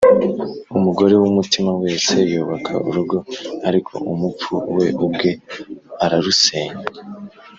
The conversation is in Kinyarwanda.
umugore w’umutima wese yubaka urugo, ariko umupfu we ubwe ararusenya